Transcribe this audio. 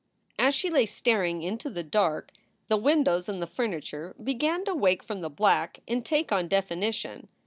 As she lay staring into the dark the windows and the fur niture began to wake from the black and take on definition.